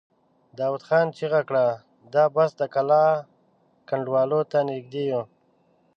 داوود خان چيغه کړه! د بست د کلا کنډوالو ته نږدې يو!